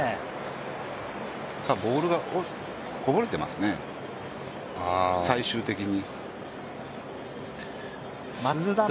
ボールがこぼれてますね、最終的に。